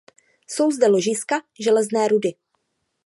Jsou zde ložiska železné rudy.